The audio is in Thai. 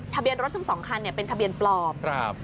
ทะเบียนรถทั้งสองคันเป็นทะเบียนปลอม